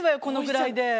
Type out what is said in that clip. このぐらいで。